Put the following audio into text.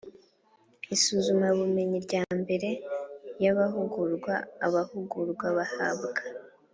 Isuzumabumenyi rya mbere y amahugurwa abahugurwa bahabwa